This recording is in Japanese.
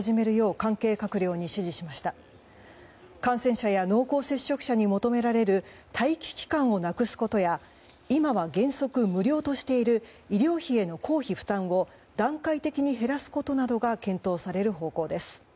関係者は濃厚接触者に求められる待機期間をなくすことや今は原則無料としている医療費への公費負担を段階的に減らすことなどが検討される方向です。